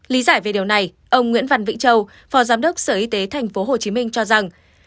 lý giải về điều này ông nguyễn văn vĩnh châu phó giám đốc sở y tế tp hcm cho rằng